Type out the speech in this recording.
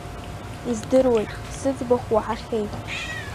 Издыруеит сыӡбахә уаҳахьеит.